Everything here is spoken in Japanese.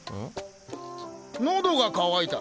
喉が渇いた。